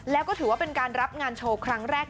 แล้วก็ถือว่าเป็นการรับงานโชว์ครั้งแรก